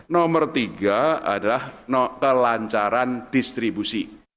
nomor tiga adalah kelancaran distribusi